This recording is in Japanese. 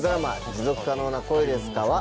「持続可能な恋ですか？」は